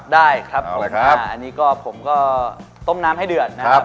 ได้ครับผมอันนี้ก็ผมก็ต้มน้ำให้เดือดนะครับ